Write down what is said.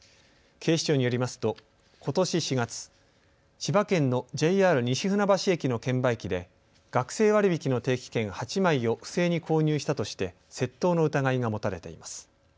警視庁によりますとことし４月、千葉県のＪＲ西船橋駅の券売機で学生割引の定期券８枚を不正に購入したとして窃盗の疑いが持たれています。